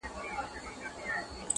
چي ته راځې تر هغو خاندمه، خدایان خندوم.